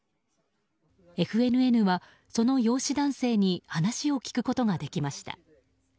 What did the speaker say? ＦＮＮは、その養子男性に話を聞くことができました。